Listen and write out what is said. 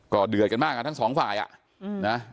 ก็เดือดกันมากทั้งสองฝ่ายอะ